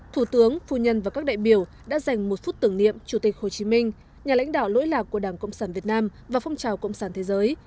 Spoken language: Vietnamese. thủ tướng phu nhân và các đại biểu đã dành một phút tưởng niệm chủ tịch hồ chí minh nhà lãnh đạo lỗi lạc của đảng cộng sản việt nam và phong trào cộng sản thế giới